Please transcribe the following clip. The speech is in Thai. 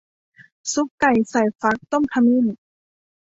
ซุปไก่ใส่ฟักต้มขมิ้น